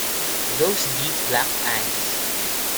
Those deep black eyes!